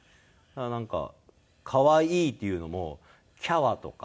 なんか「可愛い」っていうのも「キャワ」とか。